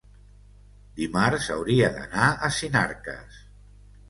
Dimarts hauria d'anar a Sinarques.